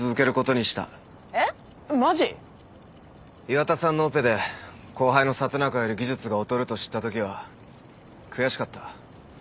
岩田さんのオペで後輩の里中より技術が劣ると知ったときは悔しかった。